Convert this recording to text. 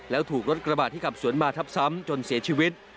แล้วถูกรถกระบาดที่ขับสวนมาทับซ้ำจนเสียชีวิต